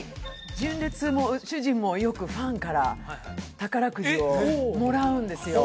純烈も主人もよくファンから宝くじをもらうんですよ